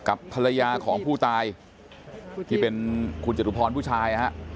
กับภรรยาของผู้ตายที่เป็นคุณจตุพรผู้ชายฮะ